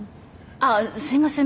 あすいません